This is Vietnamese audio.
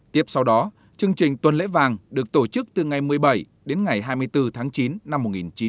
tiếp sau đó chương trình tuần lễ vàng được tổ chức từ ngày một mươi bảy đến ngày hai mươi bốn tháng chín năm một nghìn chín trăm bốn mươi năm